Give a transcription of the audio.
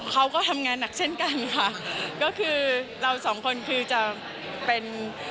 เขาก็ทำงานหนักเช่นกันค่ะก็คือเราสองคนคือจะเป็น